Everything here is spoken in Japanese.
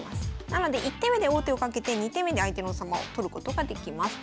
なので１手目で王手をかけて２手目で相手の王様を取ることができます。